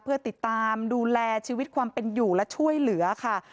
เพื่อติดตามดูแลชีวิตความเป็นอยู่และช่วยเหลือค่ะ